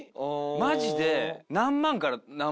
マジで。